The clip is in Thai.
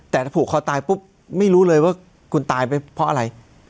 แต่ถ้าผูกคอตายปุ๊บไม่รู้เลยว่าคุณตายไปเพราะอะไร